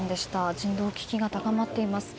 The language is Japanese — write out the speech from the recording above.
人道危機が高まっています。